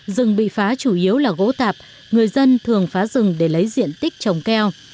rừng bị phá chủ yếu là gỗ tạp người dân thường phá rừng để lấy diện tích trồng keo